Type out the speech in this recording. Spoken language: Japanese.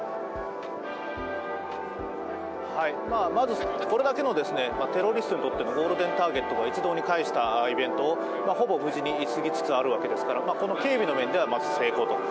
まずこれだけの、テロリストにとってのゴールデンターゲットが一堂に会したイベントをほぼ無事に済みつつあるわけですからこの警備の面ではまず成功と。